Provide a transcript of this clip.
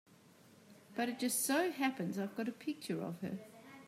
But it just so happens I've got a picture of her.